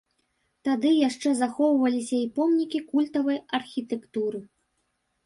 Тады яшчэ захоўваліся і помнікі культавай архітэктуры.